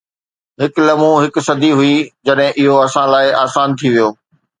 هڪ لمحو هڪ صدي هئي جڏهن اهو اسان لاء آسان ٿي ويو